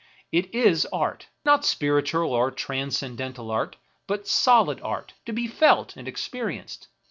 It is art ; not spiritual or transcendental art, but solid art, to be felt and experienced.